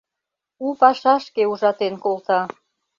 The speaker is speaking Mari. У пашашке ужатен колта.